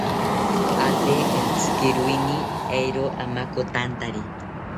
Ate entzikiroeni, eero amakotantari